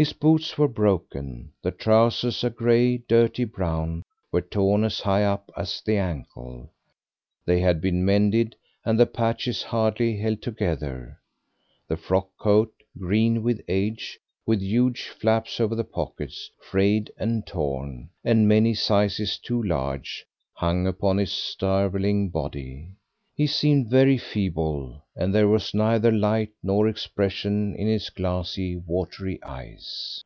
His boots were broken; the trousers, a grey, dirty brown, were torn as high up as the ankle; they had been mended and the patches hardly held together; the frock coat, green with age, with huge flaps over the pockets, frayed and torn, and many sizes too large, hung upon his starveling body. He seemed very feeble, and there was neither light nor expression in his glassy, watery eyes.